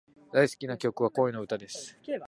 大好きな曲は、恋の歌です。